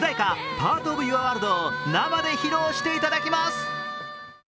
「パート・オブ・ユア・ワールド」を生で披露していただきます。